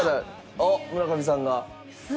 あっ村上さんが。